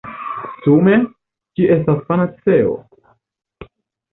Sume, ĝi estas panaceo!